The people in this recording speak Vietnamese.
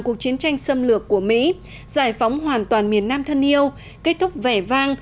cuộc chiến tranh xâm lược của mỹ giải phóng hoàn toàn miền nam thân yêu kết thúc vẻ vang